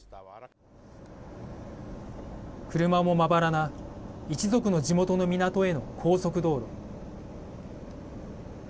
車もまばらな一族の地元の港への高速道路。